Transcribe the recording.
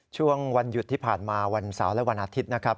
ช่วงวันหยุดที่ผ่านมาวันเสาร์และวันอาทิตย์นะครับ